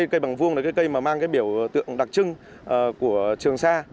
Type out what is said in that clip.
cây bàng vuông là cây mang biểu tượng đặc trưng của trường sa